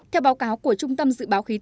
theo báo cáo của trung tâm dự báo khí tượng